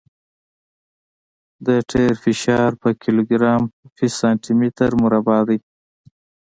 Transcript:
د ټیر فشار په کیلوګرام فی سانتي متر مربع دی